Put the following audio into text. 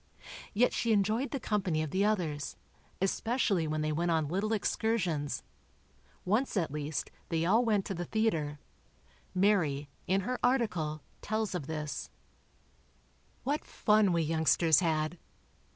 Yet she enjoyed the company of the others, especially when they went on little excursions. Once at least, they all went to the theatre. Mary, in her article, tells of this: What fun we youngsters had!